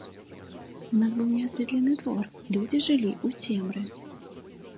У нас быў неасветлены двор, людзі жылі ў цемры.